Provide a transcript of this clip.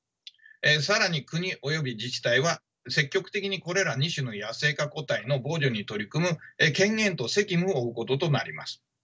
更に国および自治体は積極的にこれら２種の野生化個体の防除に取り組む権限と責務を負うこととなります。